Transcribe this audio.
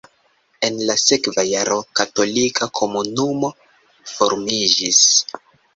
En la sekva jaro katolika komunumo formiĝis.